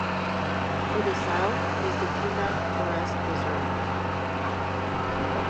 To the south is the Puna Forest Reserve.